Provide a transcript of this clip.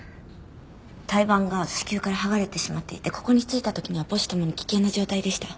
胎盤が子宮から剥がれてしまっていてここに着いた時には母子共に危険な状態でした。